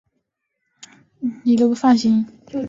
宽刺绢毛蔷薇为蔷薇科蔷薇属绢毛蔷薇下的一个变型。